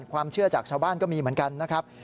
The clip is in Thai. ความเชื่อจากชาวบ้านก็มีเหมือนกันนะครับ